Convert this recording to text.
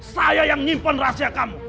saya yang nyimpen rahasia kamu